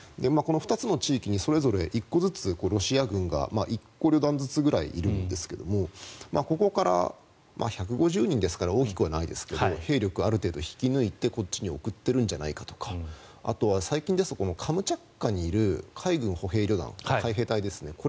この２つの地域にそれぞれ１個ずつロシア軍が１個旅団ずつくらいいるんですがここから１５０人ですから大きくはないですけど兵力をある程度引き抜いてこっちに送ってるんじゃないかとかあとは最近ですとカムチャツカにいる海軍歩兵旅団海兵隊ですね。